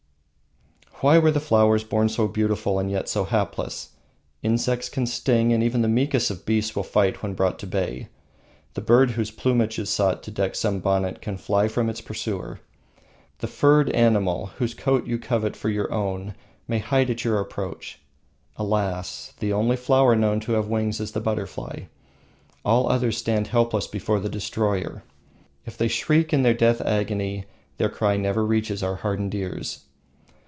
Why were the flowers born so beautiful and yet so hapless? Insects can sting, and even the meekest of beasts will fight when brought to bay. The birds whose plumage is sought to deck some bonnet can fly from its pursuer, the furred animal whose coat you covet for your own may hide at your approach. Alas! The only flower known to have wings is the butterfly; all others stand helpless before the destroyer. If they shriek in their death agony their cry never reaches our hardened ears.